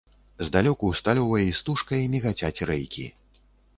Здалёку сталёвай істужкай мігацяць рэйкі.